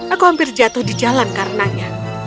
aku hampir jatuh di jalan karenanya